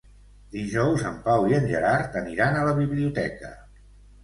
Dijous en Pau i en Gerard aniran a la biblioteca.